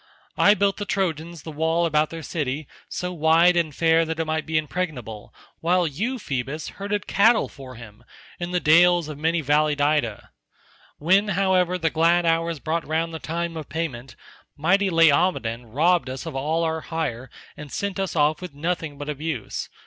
I built the Trojans the wall about their city, so wide and fair that it might be impregnable, while you, Phoebus, herded cattle for him in the dales of many valleyed Ida. When, however, the glad hours brought round the time of payment, mighty Laomedon robbed us of all our hire and sent us off with nothing but abuse.